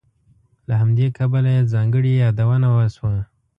له همدې کبله یې ځانګړې یادونه وشوه.